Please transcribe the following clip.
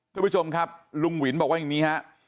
คุณผู้ชมครับลุงหวินบอกว่าอย่างนี้ฮะ